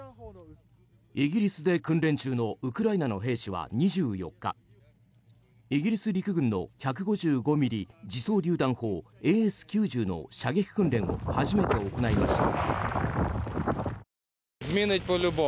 イギリスで訓練中のウクライナの兵士は２４日、イギリス陸軍の１５５ｍｍ自走りゅう弾砲ＡＳ９０の射撃訓練を初めて行いました。